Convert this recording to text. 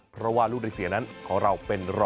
เพราะว่าลูกฤทธิ์เสียนั้นของเราเป็นรอ